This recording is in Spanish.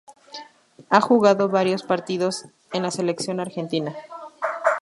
Ha jugado varios partidos en la Selección Argentina.